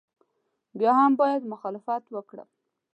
بیا هم باید مخالفت وکړم.